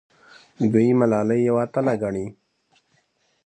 دوی ملالۍ یوه اتله ګڼي.